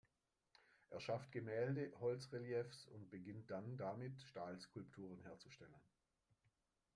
Er schafft Gemälde, Holzreliefs und beginnt dann damit, Stahlskulpturen herzustellen.